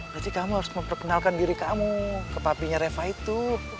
jadi kamu harus memperkenalkan diri kamu ke papinya reva itu